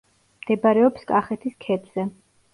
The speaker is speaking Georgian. მდებარეობს კახეთის ქედზე.